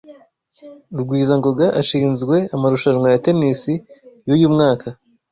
Rugwizangoga ashinzwe amarushanwa ya tennis yuyu mwaka.